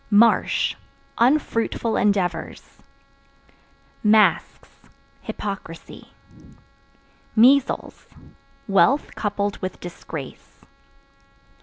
Marsh Unfruitful endeavors. Masks Hypocrisy. Measles Wealth coupled with disgrace.